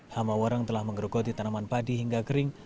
hama warang telah menggerogoti tanaman padi hingga kering